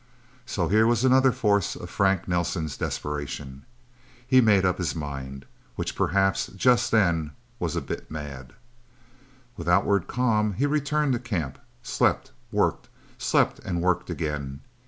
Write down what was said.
So here was another force of Frank Nelsen's desperation. He made up his mind which perhaps just then was a bit mad. With outward calm he returned to camp, slept, worked, slept and worked again.